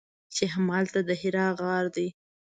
چې همدلته د حرا غار دی.